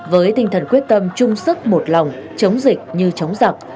với tinh thần quyết tâm chung sức một lòng chống dịch như chống giặc